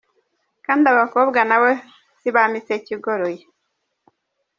Kandi abakobwa nabo si ba miseke igoroye.